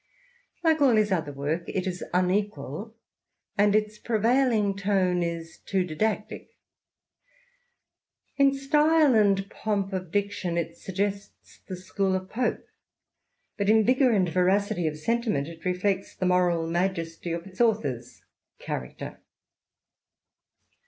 Like all his other work, it is unequal, and its prevailing tone is too didactic; in style and pomp of diction it suggests the school of Pope, but in vigour and veracity of sentiment it reflects the moral majesty of its author's character.